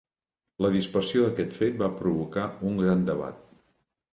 La dispersió d'aquest fet va provocar un gran debat.